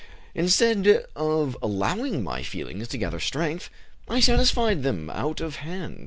Instead of allowing my feelings to gather strength, I satisfied them out of hand.